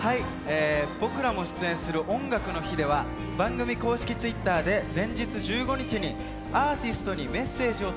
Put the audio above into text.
僕らも出演する「音楽の日」では番組公式Ｔｗｉｔｔｅｒで前日１５日に「アーティストにメッセージを